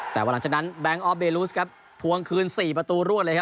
แต่ว่าหลังจากนั้นแบงค์ออฟเบลูสครับทวงคืน๔ประตูรวดเลยครับ